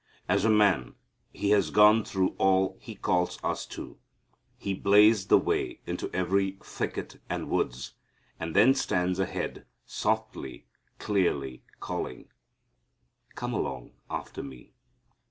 As a man He has gone through all He calls us to. He blazed the way into every thicket and woods, and then stands ahead, softly, clearly calling, "Come along after Me."